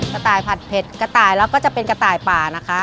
กระต่ายผัดเผ็ดกระต่ายแล้วก็จะเป็นกระต่ายป่านะคะ